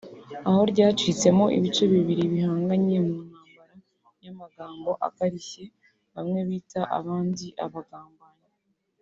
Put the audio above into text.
aho ryacitsemo ibice bibiri bihanganye mu ntambara y’amagambo akarishye bamwe bita abandi ‘abagambanyi’